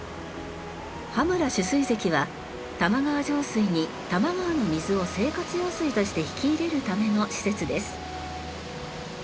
羽村取水堰は玉川上水に多摩川の水を生活用水として引き入れるための施設です。